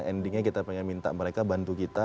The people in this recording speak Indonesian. endingnya kita pengen minta mereka bantu kita